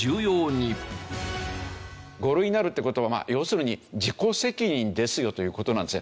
５類になるっていう事は要するに自己責任ですよという事なんですね。